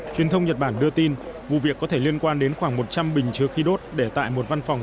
truyền thông nhật bản đưa tin vụ việc có thể liên quan đến khoảng một trăm linh bình chứa khí đốt để tại một văn phòng